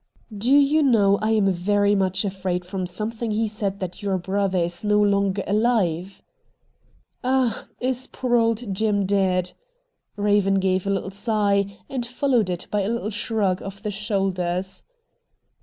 'Do you know I am very much afraid from something he said that your brother is no longer alive !'' Ah ! is poor old Jim dead ?' Eaven gave a little sigh, and followed it by a little shrug of the shoulders.